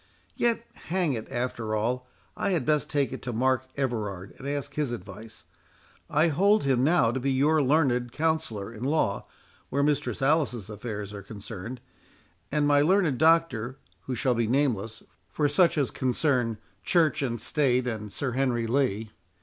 Yet, hang it, after all, I had best take it to Mark Everard and ask his advice—I hold him now to be your learned counsellor in law where Mistress Alice's affairs are concerned, and my learned Doctor, who shall be nameless, for such as concern Church and State and Sir Henry Lee.